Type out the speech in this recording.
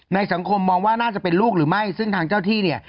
สังคมมองว่าน่าจะเป็นลูกหรือไม่ซึ่งทางเจ้าที่เนี่ย